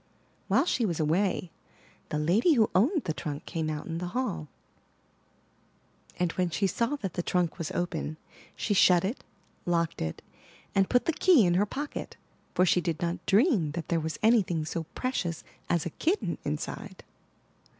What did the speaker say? While she was away, the lady who owned the trunk came out in the hall; and when she saw that the trunk was open, she shut it, locked it, and put the key in her pocket, for she did not dream that there was anything so precious as a kitten inside.